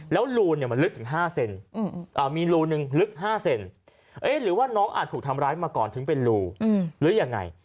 แล้วรูเนี่ยมันลึกถึง๕เซนมีรูหนึ่งลึก๕เซนหรือว่าน้องอาจถูกทำร้ายมาก่อนถึงเป็นรูหรือยังไง